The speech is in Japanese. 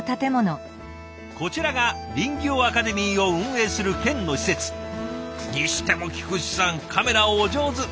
こちらが林業アカデミーを運営する県の施設。にしても菊池さんカメラお上手！